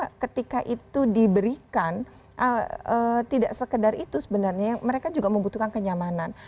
dan itu ketika itu diberikan tidak sekedar itu sebenarnya mereka juga membutuhkan kenyamanan